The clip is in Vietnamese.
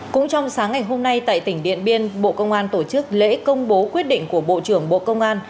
cũng trong sáng ngày hôm nay tại tỉnh điện biên bộ công an tổ chức lễ công bố quyết định của bộ trưởng bộ công an